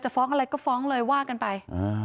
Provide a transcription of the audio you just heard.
ฟ้องอะไรก็ฟ้องเลยว่ากันไป